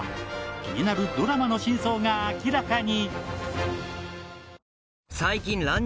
気になるドラマの真相が明らかに！